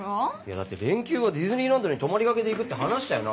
だって連休はディズニーランドに泊まりがけで行くって話したよな。